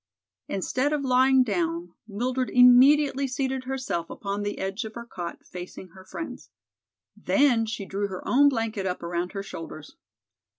Instead of lying down, Mildred immediately seated herself upon the edge of her cot, facing her friends. Then she drew her own blanket up around her shoulders.